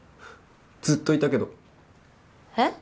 ずっといたけどえっ？